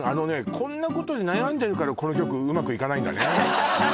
こんなことで悩んでるからこの局うまくいかないんだね